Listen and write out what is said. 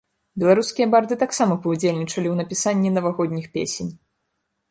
Беларускія барды таксама паўдзельнічалі ў напісанні навагодніх песень!